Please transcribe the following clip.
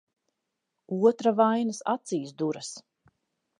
Otra vainas acīs duras.